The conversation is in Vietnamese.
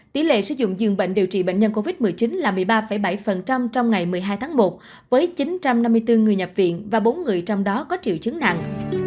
tỷ lệ sử dụng dường bệnh điều trị bệnh nhân covid một mươi chín là một mươi ba bảy trong ngày một mươi hai tháng một với chín trăm năm mươi bốn người nhập viện và bốn người trong đó có triệu chứng nặng